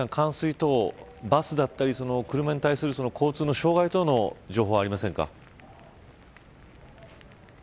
良幸さん、冠水等バスだったり車に対する交通の障害等の情報はありませんか。